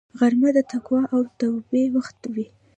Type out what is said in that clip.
غرمه د تقوا او توبې وخت وي